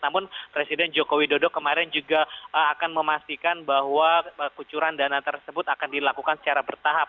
namun presiden joko widodo kemarin juga akan memastikan bahwa kucuran dana tersebut akan dilakukan secara bertahap